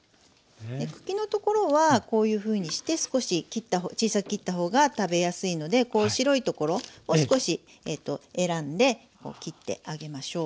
で茎のところはこういうふうにして少し小さく切った方が食べやすいので白いところを少し選んで切ってあげましょう。